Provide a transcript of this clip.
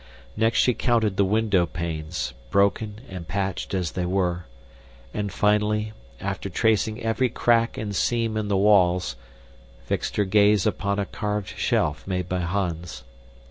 Next she counted the windowpanes, broken and patched as they were, and finally, after tracing every crack and seam in the walls, fixed her gaze upon a carved shelf made by Hans.